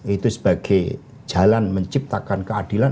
itu sebagai jalan menciptakan keadilan